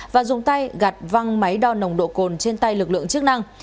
và dùng tay gặt văng máy đo nồng độ cồn trên tay lực lượng chức năng